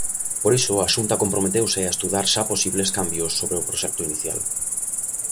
Por iso a Xunta comprometeuse a estudar xa posibles cambios sobre o proxecto inicial.